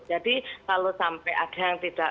jadi kalau sampai ada yang